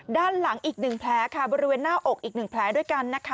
ด้านหลังอีก๑แผลค่ะบริเวณหน้าอกอีก๑แผลด้วยกันนะคะ